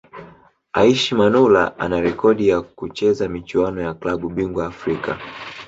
Aishi Manula ana rekodi ya kucheza michuano ya klabu bingwa Afrika